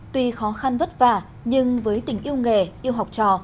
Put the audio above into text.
tuy khó khăn vất vả nhưng với tình yêu nghề yêu học trò